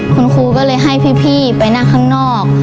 คุณครูก็เลยให้พี่ไปนั่งข้างนอก